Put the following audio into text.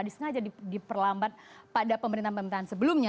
disengaja diperlambat pada pemerintahan pemerintahan sebelumnya